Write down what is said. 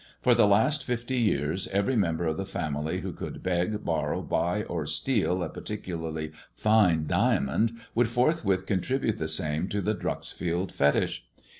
For the last fifty years every member of the family who could beg, borrow, buy, or steal a particn larly fine diamond, forthwith contributed the same to the Dreuxfield fetich.